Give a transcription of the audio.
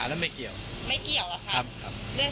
อันนี้ปล่อยตัวไปแล้ว